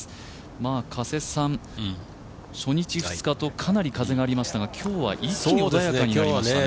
加瀬さん、初日２日とかなり風がありましたが一気に穏やかになりましたね。